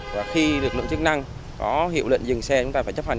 và khi lực lượng chức năng có hiệu lệnh dừng xe chúng ta phải chấp hành